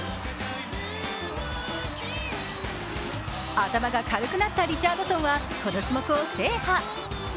頭が軽くなったリチャードソンはこの種目を制覇。